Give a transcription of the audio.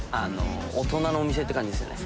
大人のお店って感じですよね。